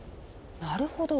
なるほど。